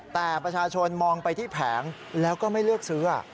แต่ประชาชนมองไปที่แผงแล้วก็ไม่เลือกซื้อ